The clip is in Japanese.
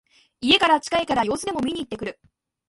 家から近いから様子でも見にいってくる